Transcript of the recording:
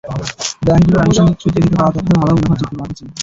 ব্যাংকগুলোর অনানুষ্ঠানিক সূত্র থেকে পাওয়া তথ্যে ভালো মুনাফার চিত্র পাওয়া গেছে।